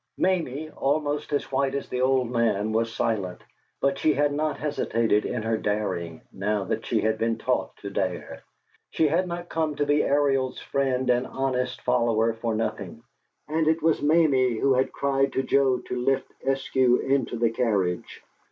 Mamie, almost as white as the old man, was silent; but she had not hesitated in her daring, now that she had been taught to dare; she had not come to be Ariel's friend and honest follower for nothing; and it was Mamie who had cried to Joe to lift Eskew into the carriage.